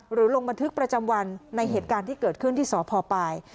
ลงบันทึกประจำวันในเหตุการณ์ที่เกิดขึ้นที่สพปลาย